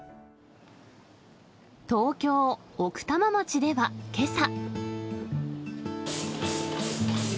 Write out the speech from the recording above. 東京・奥多摩町ではけさ。